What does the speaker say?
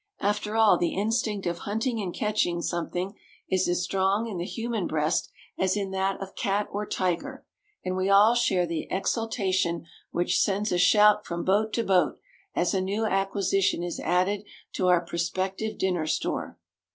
After all, the instinct of hunting and catching something is as strong in the human breast as in that of cat or tiger; and we all share the exultation which sends a shout from boat to boat as a new acquisition is added to our prospective dinner store.